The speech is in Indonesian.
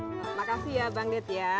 makasih ya bang det ya